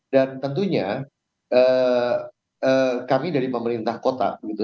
dan tentunya kami dari pemerintah kota begitu